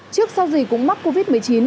trước sau gì cũng mắc covid một mươi chín